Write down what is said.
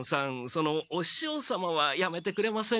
その「おししょう様」はやめてくれませんか？